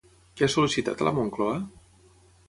Què ha sol·licitat a la Moncloa?